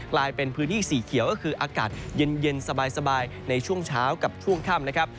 กลายเป็นพื้นที่สีเขียวก็คืออากาศเย็นสบายในช่วงเช้ากับช่วงค่ำนะครับ